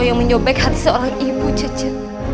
dia yang menyobek hati seorang ibu caca